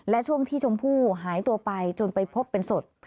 และช่วงที่ชมพู่หายตัวไปจนไปพบเป็นศพ